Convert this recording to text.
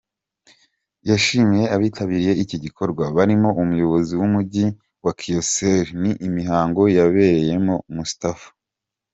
Yashimiye abitabiriye iki gikorwa barimo umuyobozi w’umujyi wa Kecioren imihango yabereyemo, Mustafa A.